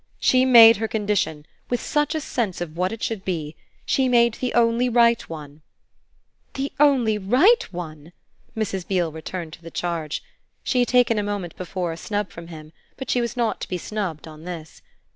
"She made her condition with such a sense of what it should be! She made the only right one." "The only right one?" Mrs. Beale returned to the charge. She had taken a moment before a snub from him, but she was not to be snubbed on this.